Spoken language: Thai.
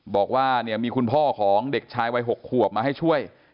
บอกว่าเนี่ยมีคุณพ่อของเด็กชายวัย๖ขวบมาให้ช่วย